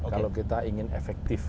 kalau kita ingin efektif